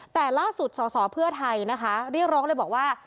แต่ล่าสุดสอสอเพื่อไทยนะคะเรียกร้องเลยบอกว่า